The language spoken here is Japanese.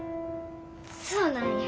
そうなんや。